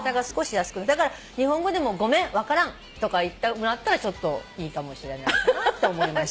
だから日本語でも「ごめん分からん」とか言ってもらったらちょっといいかもしれないかなと思いました。